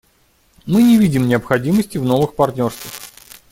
Мы не видим необходимости в новых партнерствах.